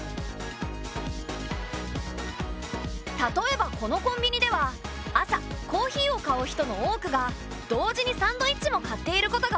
例えばこのコンビ二では朝コーヒーを買う人の多くが同時にサンドイッチも買っていることがわかった。